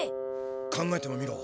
考えてもみろ。